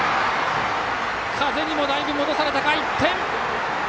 風にもだいぶ戻されて、１点！